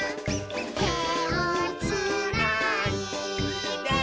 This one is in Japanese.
「てをつないで」